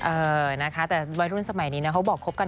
เออนะคะแต่วัยรุ่นสมัยนี้นะเขาบอกคบกัน